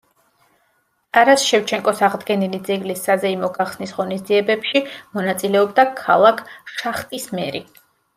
ტარას შევჩენკოს აღდგენილი ძეგლის საზეიმო გახსნის ღონისძიებებში მონაწილეობდა ქალაქ შახტის მერი.